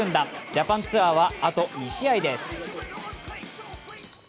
ジャパンツアーはあと２試合です。